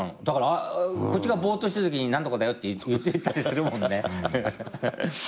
だからこっちがぼーっとしてるときに何とかだよって言ったりするもんね。